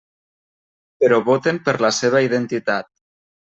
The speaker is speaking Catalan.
Però voten per la seva identitat.